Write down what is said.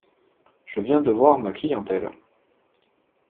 Je viens de voir ma clientèle.